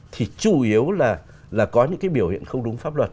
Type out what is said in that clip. thì chủ yếu là có những cái biểu hiện không đúng pháp luật